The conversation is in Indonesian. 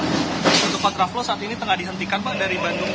untuk kontraflow saat ini tengah dihentikan pak dari bandung